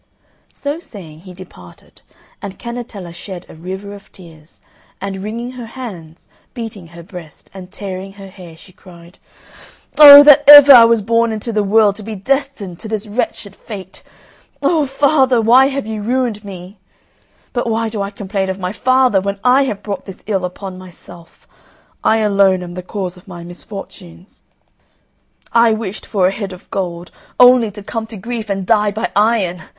So saying, he departed, and Cannetella shed a river of tears, and, wringing her hands, beating her breast, and tearing her hair, she cried, "Oh, that ever I was born into the world to be destined to this wretched fate! Oh, father, why have you ruined me? But why do I complain of my father when I have brought this ill upon myself? I alone am the cause of my misfortunes. I wished for a head of gold, only to come to grief and die by iron!